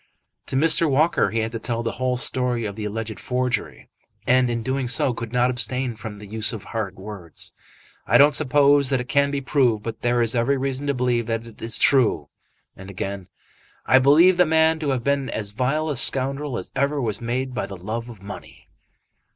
To Mr. Walker he had to tell the whole story of the alleged forgery, and in doing so could not abstain from the use of hard words. "I don't suppose that it can be proved, but there is every reason to believe that it's true." And again "I believe the man to have been as vile a scoundrel as ever was made by the love of money."